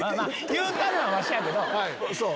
言うたのはわしやけど。